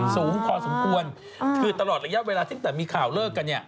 สูงพอสมควรคือตลอดระยะเวลาตั้งแต่มีข่าวเลิกกันเนี่ย